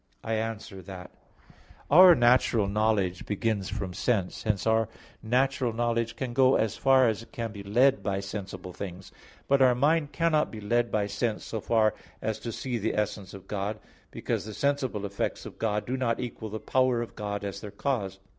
I answer that, Our natural knowledge begins from sense. Hence our natural knowledge can go as far as it can be led by sensible things. But our mind cannot be led by sense so far as to see the essence of God; because the sensible effects of God do not equal the power of God as their cause.